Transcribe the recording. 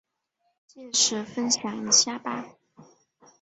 届时分享一下吧